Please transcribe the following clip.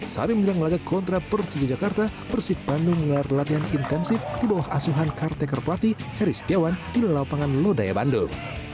saat mendirang lagak kontra persija jakarta persib bandung mengelar latihan intensif di bawah asuhan kartekar pelati heri setiawan di lapangan lodaya bandung